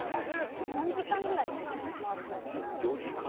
何時間ぐらい回ってたんですか？